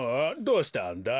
どうしたんだ？